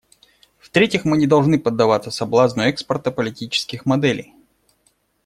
В-третьих, мы не должны поддаваться соблазну экспорта политических моделей.